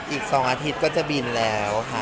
อีก๒อาทิตย์ก็จะบินแล้วค่ะ